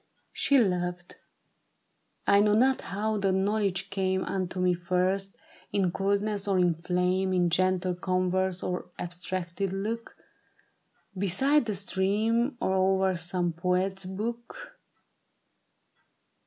She loved. I know not how the knowledge came Unto me first — in coldness or in flame, In gentle converse or abstracted look, Beside the stream, or o'er some poet's book.